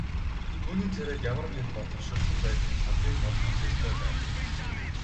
Түүний царайд ямар нэг бодлогоширсон байдал тодын тод бичээстэй байв.